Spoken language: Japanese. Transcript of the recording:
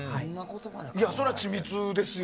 そりゃ緻密ですよ。